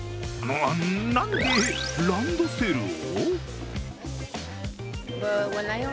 なんでランドセルを？